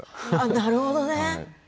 なるほどね。